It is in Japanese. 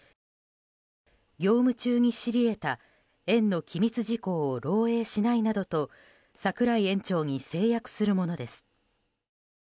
業務中に知り得た園の機密事項を漏洩しないなどと櫻井園長に誓約するものです。